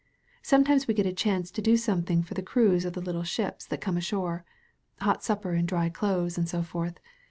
Sometimes we get a chance to do something for the crews of the little ships that come ashore — ^hot supper and dry clothes and so rorth.